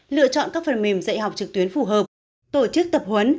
lựa chọn các phần mềm dạy học trực tuyến phù hợp tổ chức tập huấn